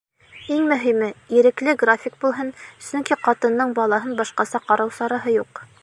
Иң мөһиме — ирекле график булһын, сөнки ҡатындың балаһын башҡаса ҡарау сараһы юҡ.